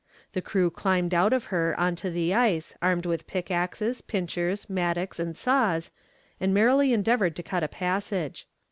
The crew climbed out of her on to the ice armed with pickaxes, pincers, mattocks, and saws, and merrily endeavoured to cut a passage.